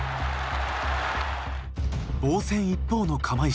防戦一方の釜石。